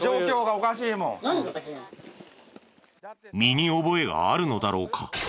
身に覚えがあるのだろうか？